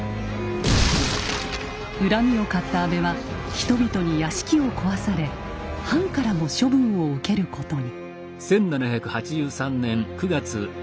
恨みを買った安倍は人々に屋敷を壊され藩からも処分を受けることに。